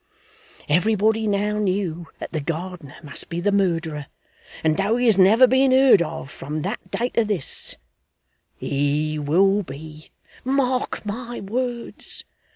Everybody now knew that the gardener must be the murderer, and though he has never been heard of from that day to this, he will be, mark my words.